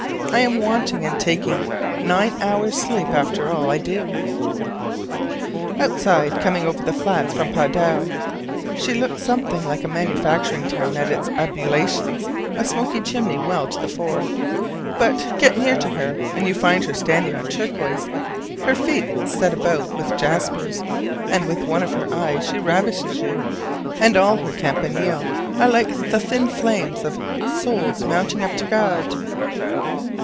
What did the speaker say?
I am wanting, and taking, nine hours' sleep after all I do! Outside coming over the flats from Padua, she looked something like a manufacturing town at its ablutions, a smoky chimney well to the fore: but get near to her and you find her standing on turquoise, her feet set about with jaspers, and with one of her eyes she ravishes you: and all her campanile are like the "thin flames" of "souls mounting up to God."